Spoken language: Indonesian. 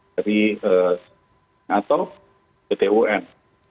dari atau pt un